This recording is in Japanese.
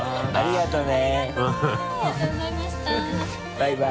バイバイ。